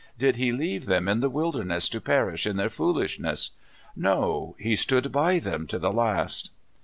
Did he leave them in the wilderness to perish in their foolishness? No; he stood by them to the last."